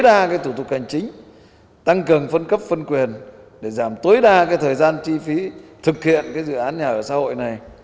để giảm tối đa thời gian chi phí thực hiện dự án nhà ở xã hội này